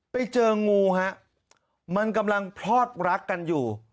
ไปเจองูฮะมันกำลังพลอดรักกันอยู่